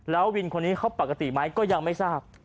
แล้ววินคนนี้เขาปกติไหมก็ยังไม่ทราบ